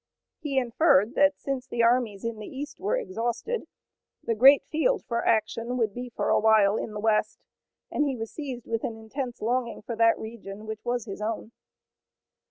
He inferred that since the armies in the east were exhausted, the great field for action would be for a while, in the west, and he was seized with an intense longing for that region which was his own.